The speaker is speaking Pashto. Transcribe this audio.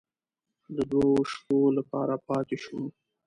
د دوو شپو لپاره پاتې شوو.